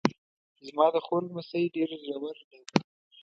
زما د خور لمسی ډېر زړور ده